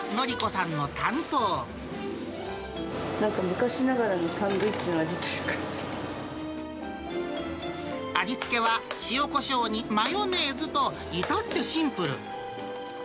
なんか昔ながらのサンドイッ味付けは、塩コショウにマヨネーズと、至ってシンプル。